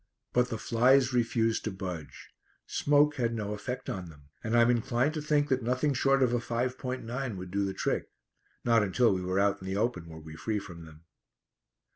But the flies refused to budge. Smoke had no effect on them, and I'm inclined to think that nothing short of a 5.9 would do the trick. Not until we were out in the open were we free from them.